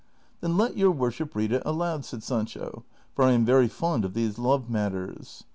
" Then let your worship read it aloud," said Sancho, "for I am very fond of these love matters."